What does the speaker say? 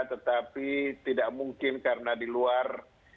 tetapi tidak mungkin karena di luar